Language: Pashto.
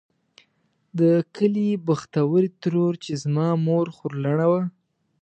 د کلي بختورې ترور چې زما مور خورلڼه وه.